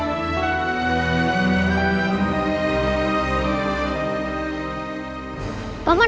saya ketawa bareng jasad